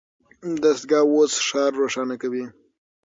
دستګاه اوس ښار روښانه کوي.